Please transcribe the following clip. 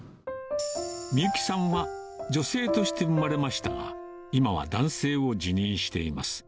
海幸さんは、女性として生まれましたが、今は男性を自認しています。